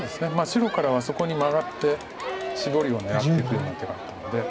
白からはそこにマガってシボリを狙っていくような手があったので。